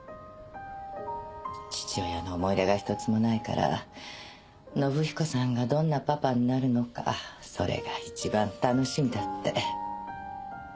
父親の思い出が１つもないから信彦さんがどんなパパになるのかそれがいちばん楽しみだって。